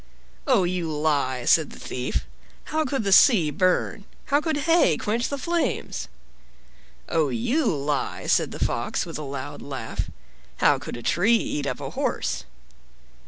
"Oh, you lie," said the Thief. "How could the sea burn? How could hay quench the flames?" "Oh, you lie," said the Fox, with a loud laugh; "how could a tree eat up a horse?"